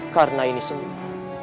karena ini semua